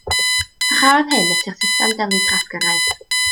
Parhaodd hyn nes i'r system deligraff gyrraedd.